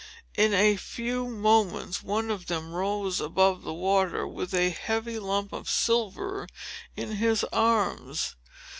In a few moments one of them rose above the water, with a heavy lump of silver in his arms.